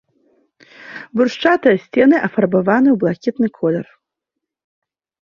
Брусчатыя сцены афарбаваны ў блакітны колер.